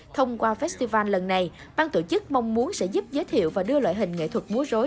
thông qua festival lần này bang tổ chức mong muốn sẽ giúp giới thiệu và đưa loại hình nghệ thuật múa rối